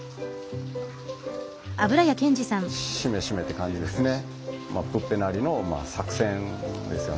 しめしめって感じですね。